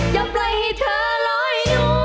อย่าปล่อยให้เธอร้อยน้วน